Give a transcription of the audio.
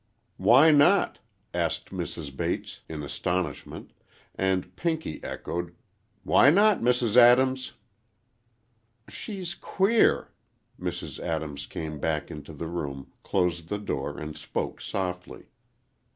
"Why not?" asked Mrs. Bates, in astonishment, and Pinky echoed, "Why not, Mrs. Adams?" "She's queer." Mrs. Adams came back into the room, closed the door, and spoke softly.